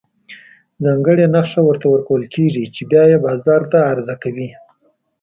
ځانګړې نښه ورته ورکول کېږي چې بیا یې بازار ته عرضه کوي.